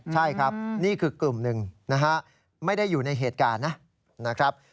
ใช่ครับนี่คือกลุ่มหนึ่งนะฮะไม่ได้อยู่ในเหตุการณ์นะครับ